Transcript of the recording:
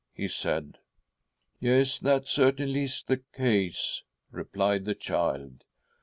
' he said. ' Yes, that certainly is the case,' replied the child.